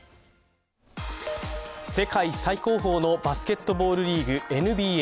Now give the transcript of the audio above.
世界最高峰のバスケットボールリーグ、ＮＢＡ。